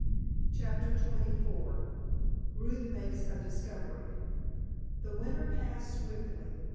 *CHAPTER XXIV* *RUTH MAKES A DISCOVERY* The winter passed swiftly.